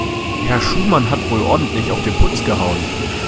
Herr Schumann hat wohl ordentlich auf den Putz gehauen.